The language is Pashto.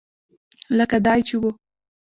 لکه دای چې و.